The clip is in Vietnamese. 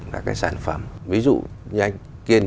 các cái sản phẩm ví dụ như anh kiên